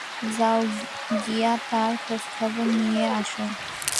যাও গিয়ে তার খোজখবর নিয়ে আসো।